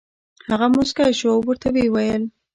هغه موسکی شو او ورته یې وویل: